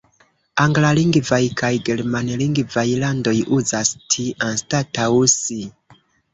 Anglalingvaj kaj germanlingvaj landoj uzas "ti" anstataŭ "si".